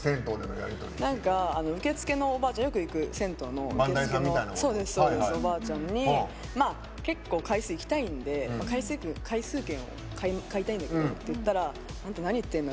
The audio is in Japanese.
受付のおばあちゃん、よく行く銭湯のおばあちゃんに結構、回数行きたいんで回数券を買いたいんですけどって言ったら何言ってんの？